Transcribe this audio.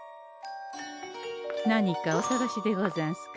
何かお探しでござんすか？